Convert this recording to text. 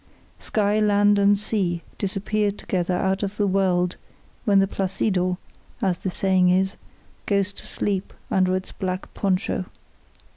Sky, land, and sea disappear together out of the world when the Placido as the saying is goes to sleep under its black poncho.